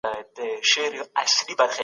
کلتوري تبادلي د ولسونو ترمنځ واټن کموي.